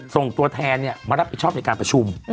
ส่งตัวแทนมารับผิดชอบในการประชุม